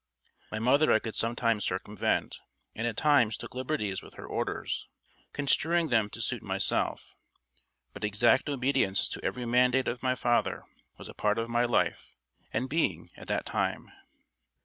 My mother I could sometimes circumvent, and at times took liberties with her orders, construing them to suit myself; but exact obedience to every mandate of my father was a part of my life and being at that time.